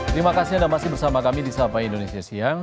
terima kasih anda masih bersama kami di sapa indonesia siang